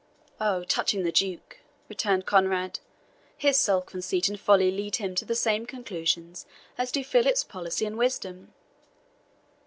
"Oh, touching the Duke," returned Conrade, "his self conceit and folly lead him to the same conclusions as do Philip's policy and wisdom.